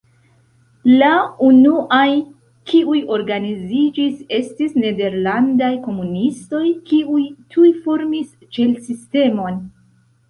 La unuaj kiuj organiziĝis estis nederlandaj komunistoj, kiuj tuj formis ĉel-sistemon.